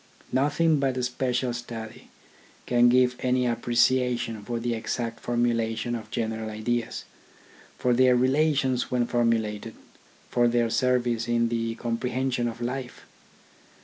Nothing but a special study can give any appre ciation for the exact formulation of general ideas, for their relations when formulated, for their service in the comprehension of life.